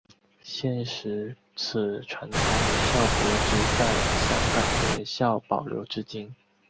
现时此传统女校服只在香港联校保留至今。